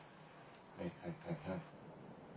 はいはいはいはい。